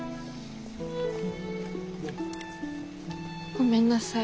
ごめんなさい。